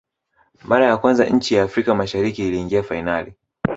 mara ya kwanza nchi ya afrika mashariki iliingia fainali